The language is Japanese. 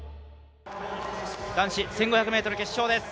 男子１５００ｍ決勝です。